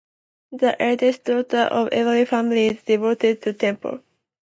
The eldest daughter of every family is devoted to the temple.